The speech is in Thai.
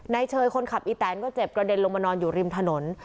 เชยคนขับอีแตนก็เจ็บกระเด็นลงมานอนอยู่ริมถนน